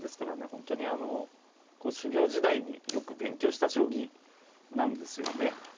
本当にあの修業時代によく勉強した将棋なんですよね。